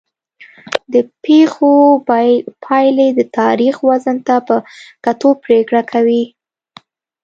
د پېښو پایلې د تاریخ وزن ته په کتو پرېکړه کوي.